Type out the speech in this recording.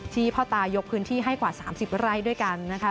พ่อตายกพื้นที่ให้กว่า๓๐ไร่ด้วยกันนะคะ